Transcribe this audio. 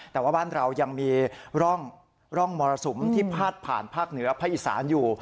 แต่ว่าบ้านเรายังมีร่องมรสุมที่พาดผ่านภาคเหนือภาคอีสานอยู่